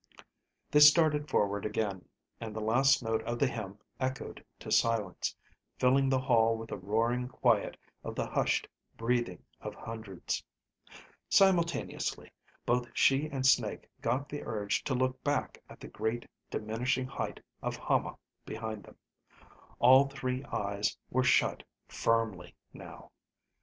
They started forward again, and the last note of the hymn echoed to silence, filling the hall with the roaring quiet of the hushed breathing of hundreds. Simultaneously, both she and Snake got the urge to look back at the great diminishing height of Hama behind them. All three eyes were shut firmly now.